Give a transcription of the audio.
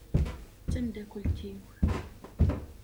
D tamdakelt-iw.